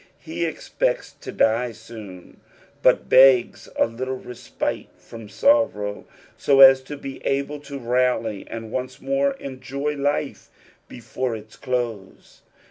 He expects to die soon, but begs a little TesiHt« from sorrow, so as to be able to rally an4 once more enjoy life before its etoae.